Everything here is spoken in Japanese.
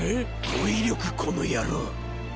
語彙力この野郎。